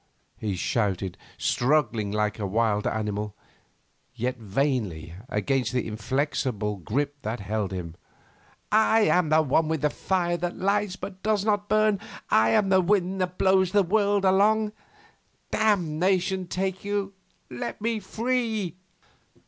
he shouted, struggling like a wild animal, yet vainly, against the inflexible grip that held him. 'I am one with the fire that lights but does not burn. I am the wind that blows the worlds along! Damnation take you.... Let me free!...